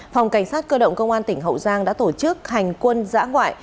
phòng cảnh sát cơ động công an tỉnh hậu giang đã tổ chức hành quân giã ngoại